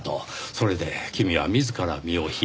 それで君は自ら身を引いた。